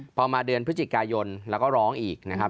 พอมาเดือนพฤศจิกายนแล้วก็ร้องอีกนะครับ